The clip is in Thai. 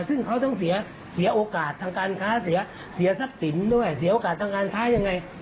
ซึ่งเขาต้องเสียโอกาสทางการค้าเสียทรัพย์สินด้วยเสียโอกาสทางการค้ายังไง